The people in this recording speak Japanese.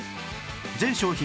全商品